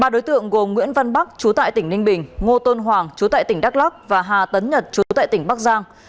ba đối tượng gồm nguyễn văn bắc trú tại tỉnh ninh bình ngô tôn hoàng trú tại tỉnh đắk lóc và hà tấn nhật trú tại tỉnh bắc giang